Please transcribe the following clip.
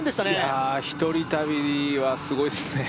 いや１人旅はすごいですね